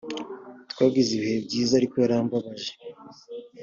twagize ibihe byiza ariko yarambabaje